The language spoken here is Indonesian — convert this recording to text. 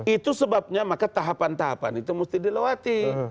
itu sebabnya maka tahapan tahapan itu mesti dilewati